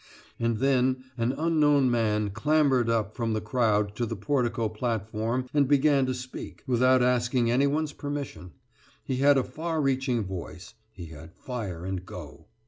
And then an unknown man clambered up from the crowd to the portico platform and began to speak, without asking any one's permission. He had a far reaching voice he had fire and go.